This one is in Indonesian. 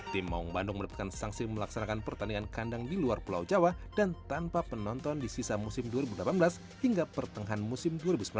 tim maung bandung mendapatkan sanksi melaksanakan pertandingan kandang di luar pulau jawa dan tanpa penonton di sisa musim dua ribu delapan belas hingga pertengahan musim dua ribu sembilan belas